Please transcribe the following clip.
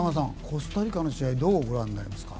コスタリカの試合どうご覧になりますか。